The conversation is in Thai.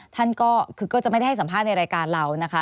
ท่านก็คือก็จะไม่ได้ให้สัมภาษณ์ในรายการเรานะคะ